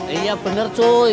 iya bener cuy